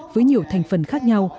với nhiều thành phần khác nhau